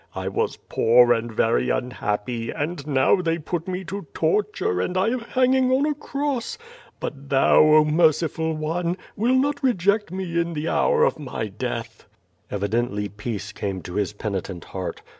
I was poor and very umhappy, and now they put me to torture, and I am hanging on ^ cross! But Thou, oh, merciful One! will not reject me in the hour of my death." Evidently peace came to his penitent heart.